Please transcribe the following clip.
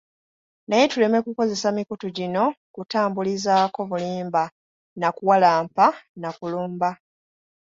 Naye tuleme kukozesa mikutu gino kutambulizaako bulimba, na kuwalampa, na kulumba.